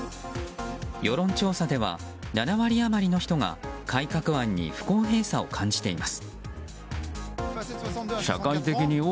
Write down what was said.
世論調査では７割余りの人が改革案に不公平さを感じています。